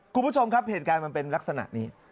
คุณผู้ชมครับเหตุการณ์มันเป็นลักษณะนี้